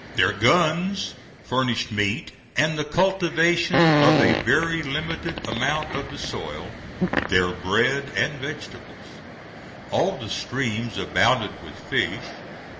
Their guns furnished meat, and the cultivation of a very limited amount of the soil, their bread and vegetables. All the streams abounded with fish.